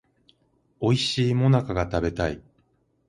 おいしい最中が食べたい